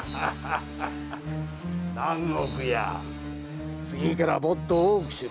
南国屋次からはもっと多くしろ。